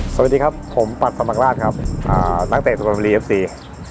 สวัสดีครับผมปรัสสมรรคลาศครับอ่านักเตะสวรรค์ธรรมดีเอฟสี